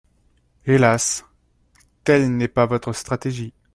Hélas, telle n’est pas votre stratégie.